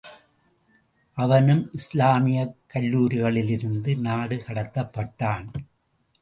அவனும் இஸ்லாமியக் கல்லூரிகளிலிருந்து நாடு கடத்தப்பட்டான்.